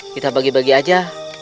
kita bagi bagi saja